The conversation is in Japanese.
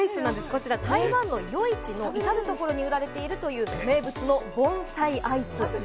こちらは台湾の夜市の至る所で売られてるという名物の盆栽アイス。